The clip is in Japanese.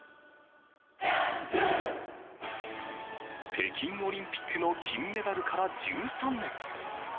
北京オリンピックの金メダルから１３年。